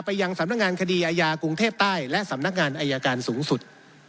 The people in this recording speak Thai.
ยังสำนักงานคดีอาญากรุงเทพใต้และสำนักงานอายการสูงสุด